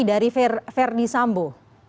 dari verdi sambo